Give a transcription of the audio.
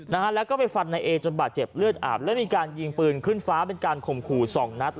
เสียบเลือดอาบและมีการยิงปืนขึ้นฟ้าเป็นการคมขู่๒นัด